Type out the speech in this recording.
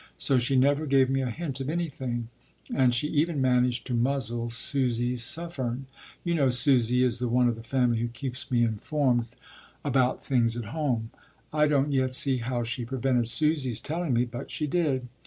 So she never gave me a hint of anything, and she even managed to muzzle Susy Suffern you know Susy is the one of the family who keeps me informed about things at home. I don’t yet see how she prevented Susy’s telling me; but she did.